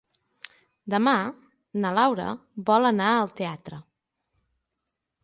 Demà na Laura vol anar al teatre.